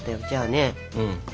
じゃあね